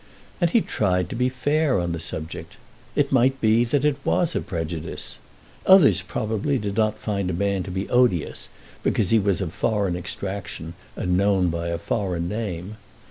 And he tried to be fair on the subject. It might be that it was a prejudice. Others probably did not find a man to be odious because he was of foreign extraction and known by a foreign name.